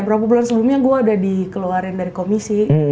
berapa bulan sebelumnya gue udah dikeluarin dari komisi